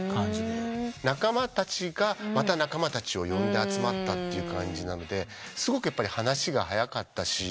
仲間たちがまた仲間たちを呼んで集まったって感じなのですごく話が早かったし。